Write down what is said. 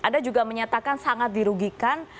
ada juga menyatakan sangat dirugikan